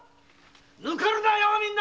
ぬかるなよみんな！